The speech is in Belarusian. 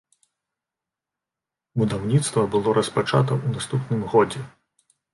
Будаўніцтва было распачата ў наступным годзе.